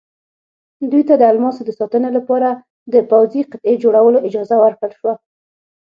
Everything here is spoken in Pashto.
دوی ته د الماسو د ساتنې لپاره د پوځي قطعې جوړولو اجازه ورکړل شوه.